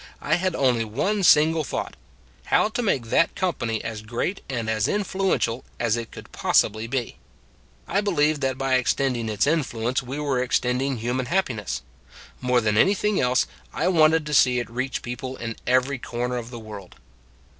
I had only one single thought how to make that company as great and as influential as it possibly could be. I believed that by ex tending its influence we were extending hu man happiness; more than anything else, I wanted to see it reach people in every corner of the world.